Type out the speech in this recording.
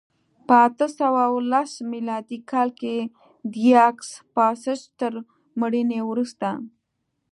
په اته سوه لس میلادي کال کې د یاکس پاساج تر مړینې وروسته